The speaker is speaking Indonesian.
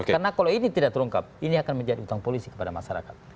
karena kalau ini tidak terungkap ini akan menjadi hutang polisi kepada masyarakat